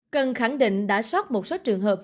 cần khẳng định đã soát một số trường hợp